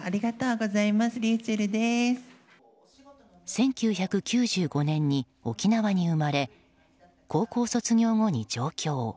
１９９５年に沖縄に生まれ高校卒業後に上京。